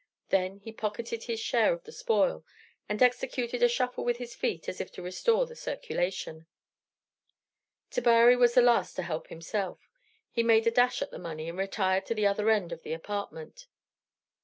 Then he pocketed his share of the spoil, and executed a shuffle with his feet as if to restore the circulation. Tabary was the last to help himself; he made a dash at the money, and retired to the other end of the apartment.